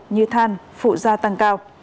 như than phụ gia tăng